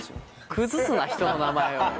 崩すな人の名前を。